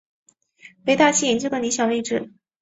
为大气研究的理想位置。